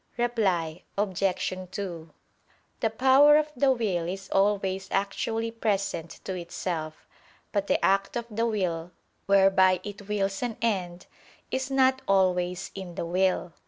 Reply Obj. 2: The power of the will is always actually present to itself; but the act of the will, whereby it wills an end, is not always in the will.